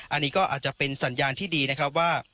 อันนี้ก็อาจจะเป็นสัญญาณที่ดีนะครับว่า